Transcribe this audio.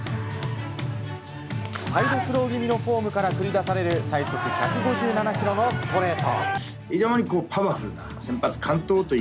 サイドスロー気味のフォームから繰り出される最速１５７キロのストレート。